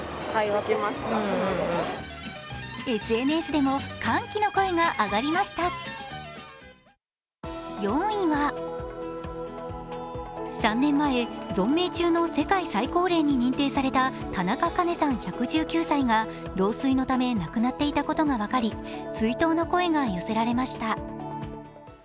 ＳＮＳでも歓喜の声が上がりました３年前、存命中の世界最高齢に認定された田中カ子さん１１９歳が老衰のため亡くなっていたことが分かり追悼の声が寄せられました。